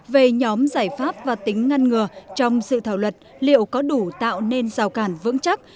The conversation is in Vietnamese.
về nhóm giải pháp và tính ngăn ngừa trong sự thảo luật liệu có đủ tạo nên rào cản vững chắc